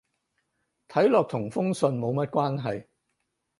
睇落同封信冇乜關係